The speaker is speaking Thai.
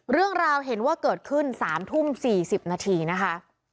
เรื่องราวเห็นว่าเกิดขึ้น๓ทุ่ม๔๐นาทีนะคะ